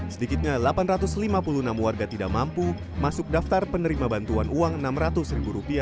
sedikitnya delapan ratus lima puluh enam warga tidak mampu masuk daftar penerima bantuan uang rp enam ratus